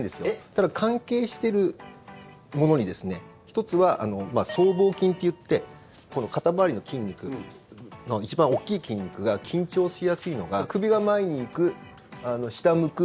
ただ、関係してるものに１つは僧帽筋といって肩回りの筋肉の一番大きい筋肉が緊張しやすいのが首が前に行く、下を向く。